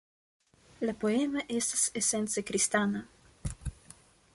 La poemo estas esence kristana.